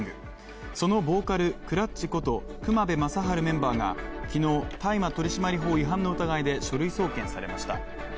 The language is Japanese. そのボーカル、ＫＬＵＴＣＨこと隈部将治メンバーが昨日、大麻取締法違反の疑いで書類送検されました。